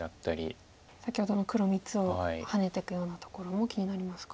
先ほどの黒３つをハネていくようなところも気になりますか。